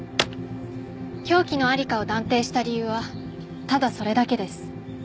凶器の在りかを断定した理由はただそれだけです。